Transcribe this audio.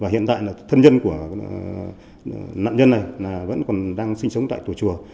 hiện tại là thân nhân của nạn nhân này vẫn còn đang sinh sống tại tuổi chùa